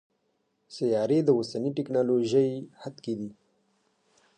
سیارې د اوسني ټکنالوژۍ حد کې دي.